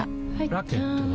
ラケットは？